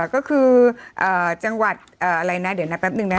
ก็คือจังหวัดเดี๋ยวนะแป๊บหนึ่งนะ